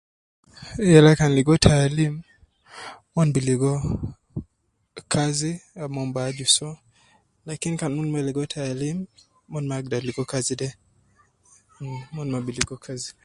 Yala kan logo taalim umon bi logo kazi al umon bi aju so . lakin kan umon ma llgo taalim, umon ma agider logo kazi de , umon ma bilogo kazi.